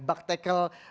bug tackle dan bug attack